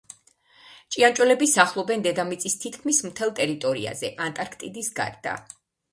ჭიანჭველები სახლობენ დედამიწის თითქმის მთელ ტერიტორიაზე, ანტარქტიდის გარდა.